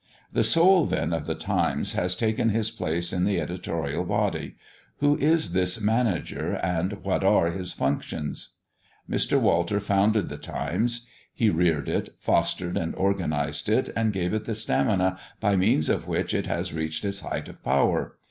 The soul, then, of the Times has taken his place in the editorial body. Who is this "manager," and what are his functions? Mr. Walter founded the Times; he reared it, fostered and organised it, and gave it the stamina by means of which it has reached its height of power.